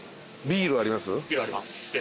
ビールあります